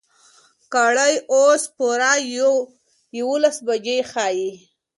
ګړۍ اوس پوره يولس بجې ښيي.